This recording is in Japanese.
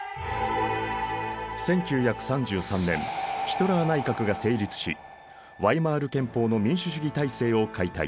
１９３３年ヒトラー内閣が成立しワイマール憲法の民主主義体制を解体。